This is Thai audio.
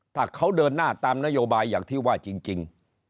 ถ้าเขาเดินหน้าตามนโยบายอย่างที่ว่าจริง